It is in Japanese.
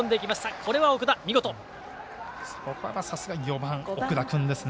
ここはさすが４番の奥田君ですね。